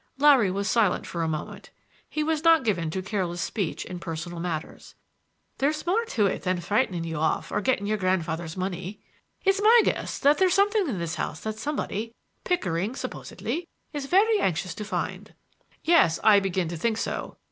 Larry was silent for a moment; he was not given to careless speech in personal matters. "There's more to it than frightening you off or getting your grandfather's money. It's my guess that there's something in this house that somebody—Pickering supposedly—is very anxious to find." "Yes; I begin to think so.